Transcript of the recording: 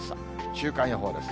週間予報です。